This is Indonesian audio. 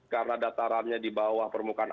karena datarannya di bawah permukaan